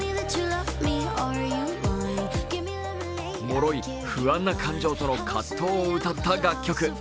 もろい、不安な感情との葛藤を歌った楽曲。